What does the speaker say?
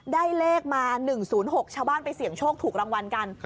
ได้เลขมา๑๐๖ชาวบ้านไปเสี่ยงโชคถูกรางวัลกัน